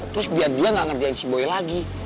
terus biar dia gak ngerjain si boy lagi